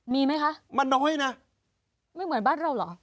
มีไหมคะไม่เหมือนบ้านเราเหรอมันน้อยนะ